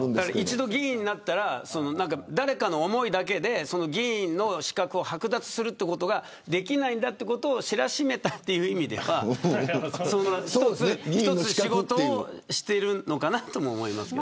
一度、議員になったら誰かの思いだけで資格をはく奪することができないんだということを知らしめたという意味では一つ仕事をしてるのかなと思います。